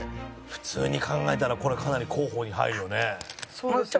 普通に考えたらこれはかなり候補に入るよね。